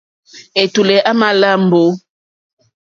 Ɛ̀tùlɛ̀ á mā lá mbǒ.